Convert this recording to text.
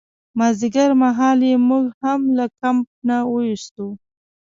مازدیګرمهال یې موږ هم له کمپ نه ویستو.